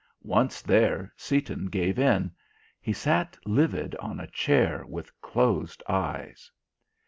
Once there, Seaton gave in. He sat livid on a chair with closed eyes.